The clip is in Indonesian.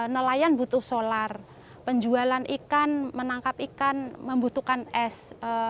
nelayan butuh solar penjualan ikan menangkap ikan membutuhkan es